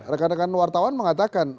rekan rekan wartawan mengatakan